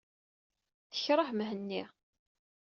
Tkeṛheḍ Mhenni.